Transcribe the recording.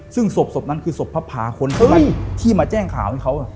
ซึ่งศพนั้นคือศพพระพาคนที่มาแจ้งข่าวให้เขา